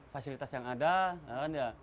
fasilitas yang ada